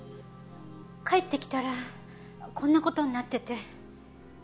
帰ってきたらこんな事になってて。